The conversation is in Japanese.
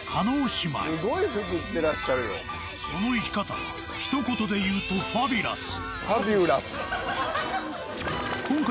その生き方はひと言でいうとファビュラス！